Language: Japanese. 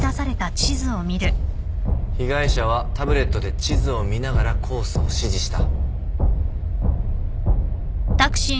被害者はタブレットで地図を見ながらコースを指示した。